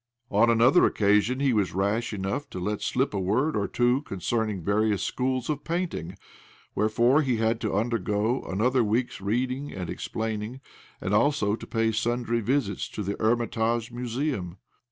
On another occasion he was rash enough to let slip a word or two concerning various schools of painting ; wherefore he had to undergo another week's OBLOMOV 179 reading and explaining, and also to pay sundry visits to the Hermitage Museum.